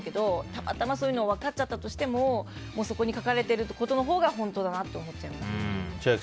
たまたまそういうのを分かっちゃったとしてもそこに書かれていることのほうが本当だなと思っちゃいます。